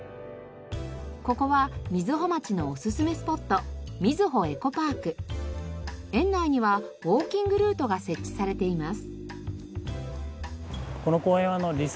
ここは瑞穂町のおすすめスポット園内にはウォーキングルートが設置されています。